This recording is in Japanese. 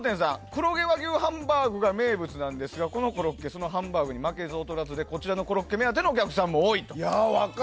黒毛和牛ハンバーグが名物なんですがこのコロッケそのハンバーグに負けず劣らずでこちらのコロッケ目当てのお客さんも多いと。